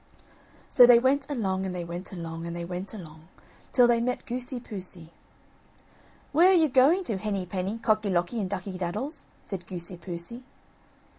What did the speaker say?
So they went along, and they went along, and they went along, till they met Goosey poosey, "Where are you going to, Henny penny, Cocky locky and Ducky daddles?" said Goosey poosey.